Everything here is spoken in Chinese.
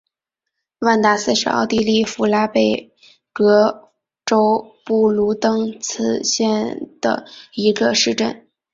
万丹斯是奥地利福拉尔贝格州布卢登茨县的一个市镇。